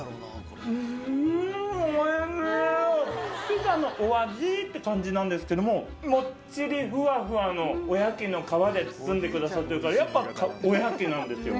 ピザのお味！って感じなんですけどももっちりフワフワのおやきの皮で包んでくださってるからやっぱおやきなんですよ。